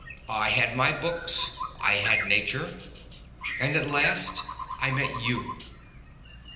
I had my books. I had Nature. And at last I met you.